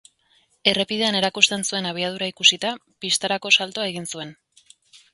Errepidean erakusten zuen abiadura ikusita, pistarako saltoa egin zuen.